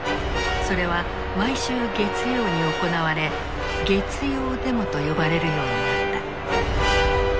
それは毎週月曜に行われ「月曜デモ」と呼ばれるようになった。